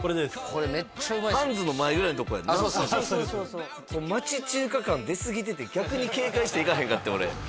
これめっちゃうまいっすよハンズの前ぐらいのとこや町中華感出すぎてて逆に警戒して行かへんかってん